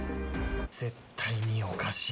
絶対におかしい